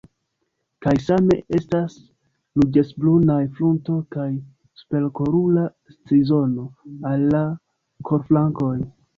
Kaj same estas ruĝecbrunaj frunto kaj superokula strizono al la kolflankoj.